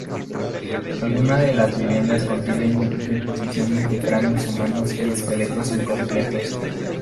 Algunas de las viviendas contienen deposiciones de cráneos humanos y esqueletos incompletos.